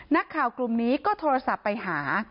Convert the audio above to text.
กลุ่มนี้ก็โทรศัพท์ไปหา